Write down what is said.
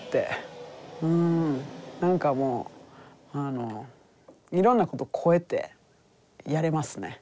何かもういろんなこと超えてやれますね。